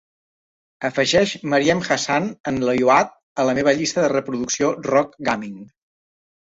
Afegeix Mariem Hassan amb Leyoad a la meva llista de reproducció Rock Gaming.